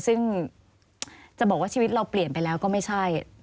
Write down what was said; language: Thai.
ซึ่งจะบอกว่าชีวิตเราเปลี่ยนไปแล้วก็ไม่ใช่